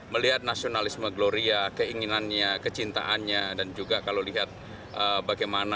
melihat nasionalisme gloria keinginannya kecintaannya dan juga kalau lihat bagaimana